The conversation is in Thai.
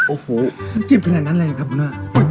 โอ้โหจิบขนาดนั้นเลยหรือครับหัวหน้า